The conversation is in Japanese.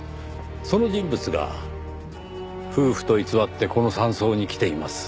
その人物が夫婦と偽ってこの山荘に来ています。